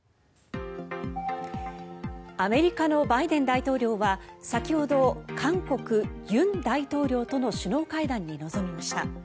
アメリカのバイデン大統領は先ほど、韓国、尹大統領との首脳会談に臨みました。